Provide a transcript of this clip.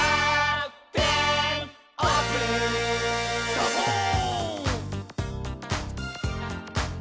「サボーン！」